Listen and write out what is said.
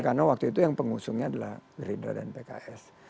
karena waktu itu yang pengusungnya adalah gerindo dan pks